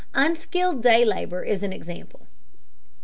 Unskilled day labor is an example.